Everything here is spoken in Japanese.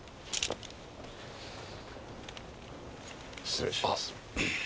失礼します。